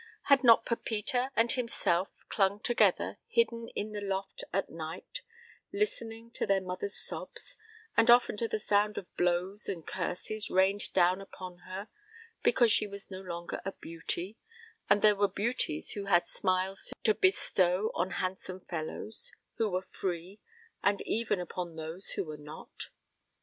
Had not Pepita and himself clung together hidden in the loft at night, listening to their mother's sobs, and often to the sound of blows and curses rained down upon her because she was no longer a beauty, and there were beauties who had smiles to bestow on handsome fellows who were free, and even upon those who were not?